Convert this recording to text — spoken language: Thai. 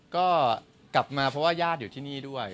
ก็กลับมาเพราะว่าญาติอยู่ที่นี่ด้วย